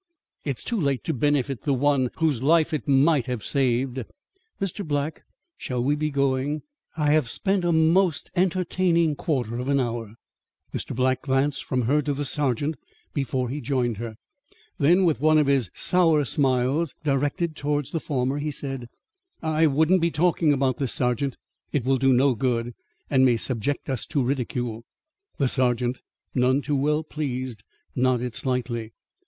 it's too late to benefit the one whose life it might have saved. Mr. Black, shall we be going? I have spent a most entertaining quarter of an hour." Mr. Black glanced from her to the sergeant before he joined her. Then, with one of his sour smiles directed towards the former, he said: "I wouldn't be talking about this, sergeant. It will do no good, and may subject us to ridicule." The sergeant, none too well pleased, nodded slightly.